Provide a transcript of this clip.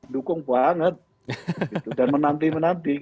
dukung banget dan menanti menanti